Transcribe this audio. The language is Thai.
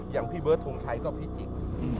อย่างพี่เบิร์ดทงไทยก็พิจิกษ์